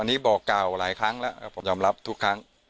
อันนี้บอกเก่าหลายครั้งแล้วผมยอมรับทุกครั้ง